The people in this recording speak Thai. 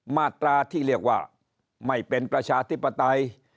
มาตราที่เรียกว่าไม่เป็นประชาธิปไตย